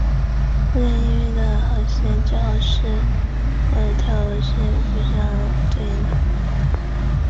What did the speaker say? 终结辩论的施行在不同的议会各有规定。